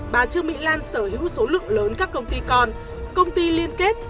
bà trương mỹ lan sở hữu số lượng lớn các công ty con công ty liên kết